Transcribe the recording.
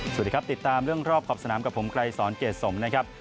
สวัสดีครับติดตามเรื่องรอบขอบสนามกับผมไกรสอนเกรดสมนะครับ